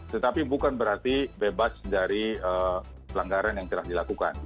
tetapi bukan berarti bebas dari pelanggaran yang telah dilakukan